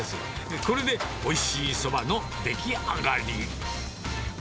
これでおいしいそばの出来上がり。